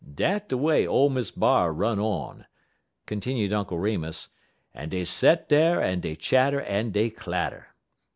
"Dat de way ole Miss B'ar run on," continued Uncle Remus, "en dey set dar en dey chatter en dey clatter.